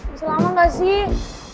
bisa lama gak sih